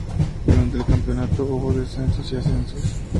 Durante el Campeonato hubo descensos y ascensos.